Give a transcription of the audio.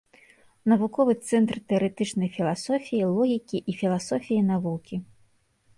Навуковы цэнтр тэарэтычнай філасофіі, логікі і філасофіі навукі.